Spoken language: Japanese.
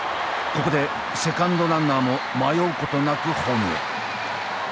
ここでセカンドランナーも迷うことなくホームへ。